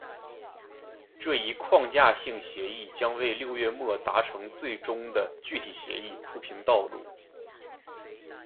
这一框架性协议将为六月末达成最终的具体协议铺平道路。